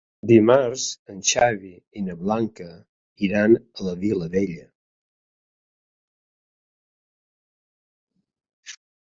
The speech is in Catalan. Dimarts en Xavi i na Blanca iran a la Vilavella.